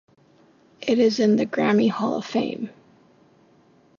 It is in the Grammy Hall of Fame.